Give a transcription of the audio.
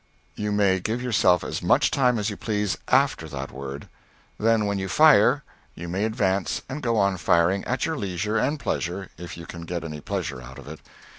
You may give yourself as much time as you please after that word. Then, when you fire, you may advance and go on firing at your leisure and pleasure, if you can get any pleasure out of it.